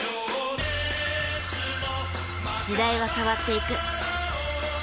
時代は変わっていく。